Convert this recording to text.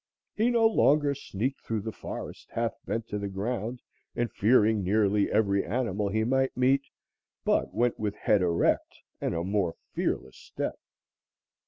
He no longer sneaked through the forest half bent to the ground and fearing nearly every animal he might meet, but went with head erect and a more fearless step.